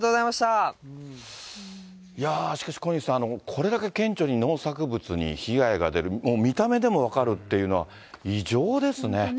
いやー、しかし小西さん、これだけ顕著に農作物に被害が出る、もう見た目でも分かるっていうのは異常ですね。